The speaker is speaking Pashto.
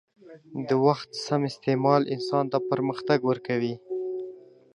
د وخت سم استعمال انسان ته پرمختګ ورکوي.